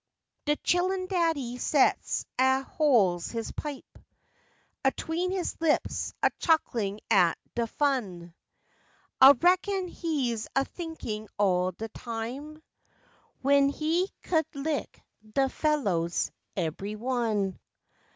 De chillun's daddy sets an' hoi's his pipe Atween his lips, a chucklin' at de fun, Ah reckon he's a thinkin' o' de time W'en he cud lick de felluhs, ebry one.